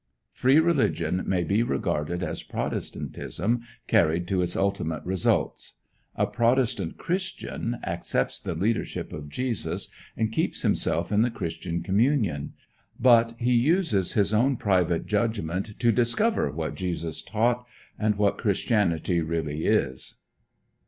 Free Religion may be regarded as Protestantism carried to its ultimate results. A Protestant Christian accepts the leadership of Jesus, and keeps himself in the Christian communion; but he uses his own private judgment to discover what Jesus taught, and what Christianity really is.